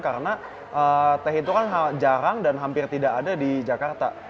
karena teh itu kan jarang dan hampir tidak ada di jakarta